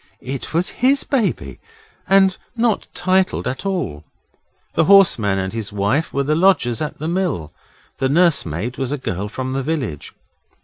It was HIS baby, and not titled at all. The horseman and his wife were the lodgers at the mill. The nursemaid was a girl from the village.